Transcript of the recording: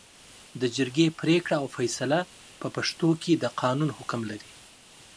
د جرګې پرېکړه او فېصله په پښتو کې د قانون حکم لري